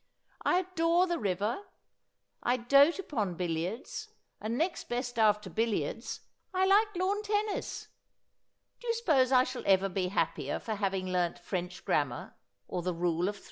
I adore the river ; I doat upon billiards ; and next best after billiards I like lawn tennis. Do you suppose I shall ever be happier for having learnt French grammar, or the Rule of Three